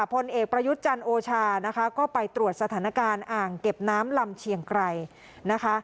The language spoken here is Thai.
พลเอกประยุทธ์จันทร์โอชานะคะก็ไปตรวจสถานการณ์อ่างเก็บน้ำลำเชียงไกรนะคะ